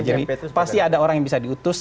jadi pasti ada orang yang bisa diutus